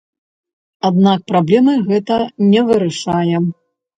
Аднак праблемы гэта не вырашае.